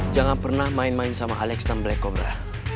jangan pernah main main sama alex dan black cobra